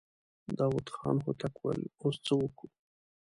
داوود خان هوتک وويل: اوس څه وکو؟